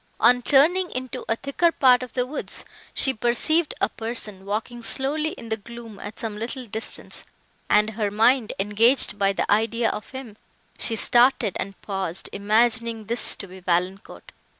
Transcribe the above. On turning into a thicker part of the woods, she perceived a person, walking slowly in the gloom at some little distance, and, her mind engaged by the idea of him, she started and paused, imagining this to be Valancourt.